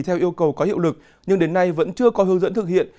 theo yêu cầu có hiệu lực nhưng đến nay vẫn chưa có hướng dẫn thực hiện